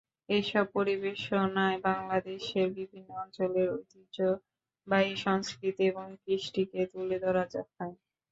এসব পরিবেশনায় বাংলাদেশের বিভিন্ন অঞ্চলের ঐতিহ্যবাহী সংস্কৃতি এবং কৃষ্টিকে তুলে ধরা হয়।